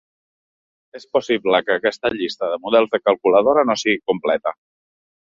És possible que aquesta llista de models de calculadora no sigui completa.